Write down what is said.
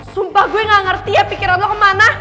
sumpah gue gak ngerti ya pikiran lo kemana